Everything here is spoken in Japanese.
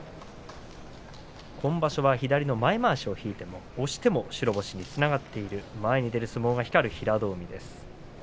今場所は左の前まわしを引いて押しても白星につながっている前に出る相撲が光る平戸海。